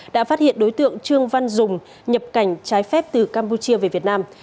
đã phát hiện đối tượng trương văn dùng nhập cảnh trái phép từ campuchia về việt nam